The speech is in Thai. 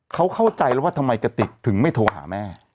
เขาเข้าใจแล้วว่าทำไมกติกถึงไม่โทรหาแม่